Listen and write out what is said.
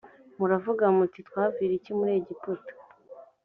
muravuga muti twaviriye iki muri egiputa